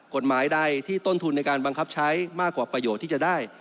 กฎหมายใดที่ต้นทุนในการบังคับใช้มากกว่าประโยชน์ที่จะได้